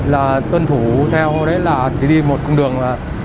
là tuân thủ theo đấy là đi một cung đường